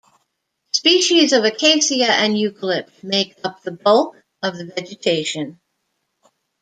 Species of acacia and eucalypt make up the bulk of the vegetation.